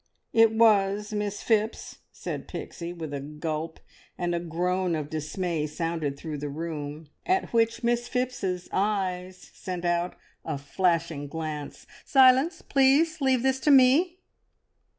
"It was, Miss Phipps!" said Pixie, with a gulp; and a groan of dismay sounded through the room, at which Miss Phipps's eyes sent out a flashing glance. "Silence, please! Leave this to me!